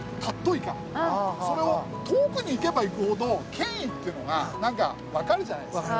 それを遠くに行けば行くほど権威っていうのがなんかわかるじゃないですか。